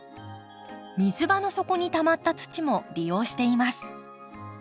水場の底にたまった土も利用しています。